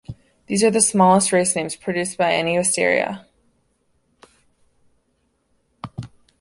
These are the smallest racemes produced by any "Wisteria".